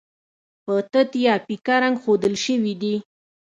په تت یا پیکه رنګ ښودل شوي دي.